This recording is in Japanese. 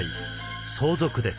相続です。